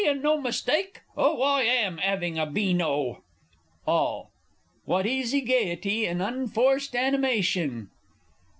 and no mistake? Oh, I am 'aving a beano! All. What easy gaiety, and unforced animation!